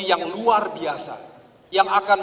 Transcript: yang luar biasa yang akan